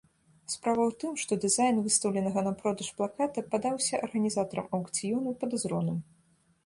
Справа ў тым, што дызайн выстаўленага на продаж плаката падаўся арганізатарам аўкцыёну падазроным.